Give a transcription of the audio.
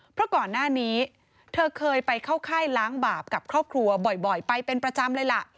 เพราะก่อนหน้านี้เธอเคยไปเข้าค่ายล้างบาปกับครอบครัวบ่อยไปเป็นประจำเลยล่ะ